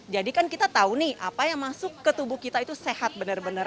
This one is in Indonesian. jadi kan kita tahu nih apa yang masuk ke tubuh kita itu sehat benar benar